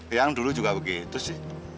yang dulu juga begitu sih